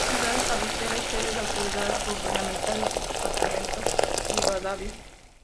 Es ciudad cabecera y sede de autoridades gubernamentales del departamento Rivadavia.